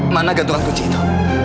mana gantuan kunci itu